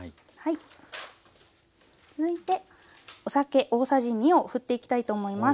続いてお酒大さじ２をふっていきたいと思います。